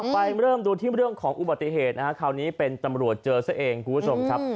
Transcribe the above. ไปเริ่มดูที่เรื่องของอุบัติเหตุนะฮะคราวนี้เป็นตำรวจเจอซะเองคุณผู้ชมครับ